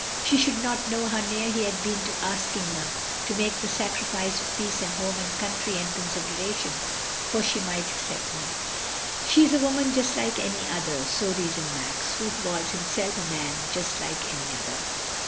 She should not know how near he had been to asking her to make the sacrifice of peace and home, and country, and consideration, "for she might accept me. She is a woman just like any other." So reasoned Max, who was himself a man just like any other.